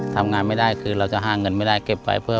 ทำงานไม่ได้คือเราจะหาเงินไม่ได้เก็บไว้เพื่อ